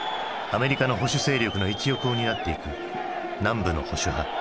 アメリカの保守勢力の一翼を担っていく南部の保守派。